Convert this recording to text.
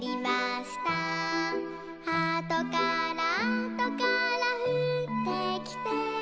「あとからあとからふってきて」